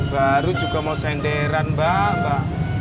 baru juga mau senderan mbak mbak